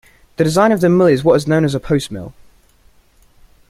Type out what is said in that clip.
The design of the mill is what is known as a post mill.